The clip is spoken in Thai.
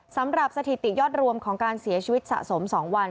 สำหรับสถิติยอดรวมของการเสียชีวิตสะสม๒วัน